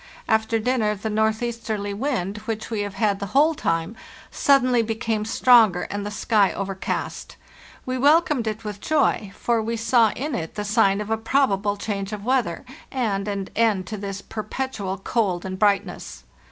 After dinner the northeasterly wind, which we have had the whole time, suddenly became stronger, and the sky over cast. We welcomed it with joy, for we saw in it the sign of a probable change of weather and an end to this per petual cold and brightness.